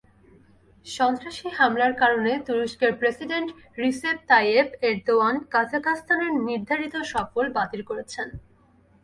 সন্ত্রাসী হামলার কারণে তুরস্কের প্রেসিডেন্ট রিসেপ তাইয়েপ এরদোয়ান কাজাখস্তানে নির্ধারিত সফর বাতিল করেছেন।